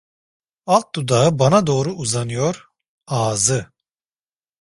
Alt dudağı bana doğru uzanıyor, ağzı.